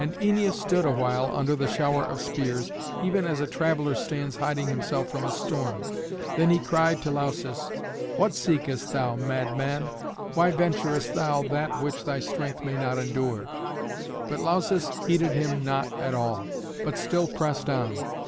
And Æneas stood awhile under the shower of spears, even as a traveller stands hiding himself from a storm. Then he cried to Lausus, "What seekest thou, madman? Why venturest thou that which thy strength may not endure?" But Lausus heeded him not at all, but still pressed on.